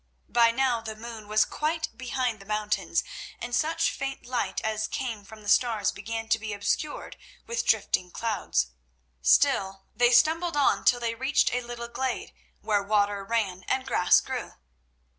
By now the moon was quite behind the mountains, and such faint light as came from the stars began to be obscured with drifting clouds. Still, they stumbled on till they reached a little glade where water ran and grass grew.